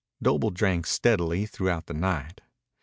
Doble drank steadily throughout the night.